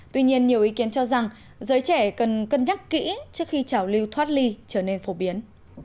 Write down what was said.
tuy nhiên nhiều ý kiến cho rằng giới trẻ cần cân nhắc kỹ trước khi trào lưu thoát ly trở nên phổ biến